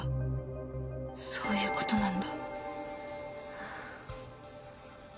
そういうことなんだハァ。